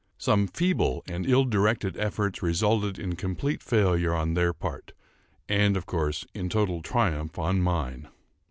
Some feeble and ill directed efforts resulted in complete failure on their part, and, of course, in total triumph on mine.